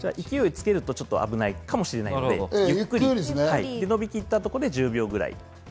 勢いをつけると危ないかもしれないので、ゆっくり伸びてきたところで１０秒ぐらい。